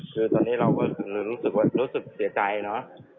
คือตอนนี้เราก็รู้สึกเสียใจเนอะ